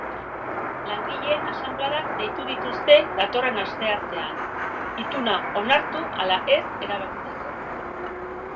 Langileen asanbladak deitu dituzte datorren asteartean, ituna onartu ala ez erabakitzeko.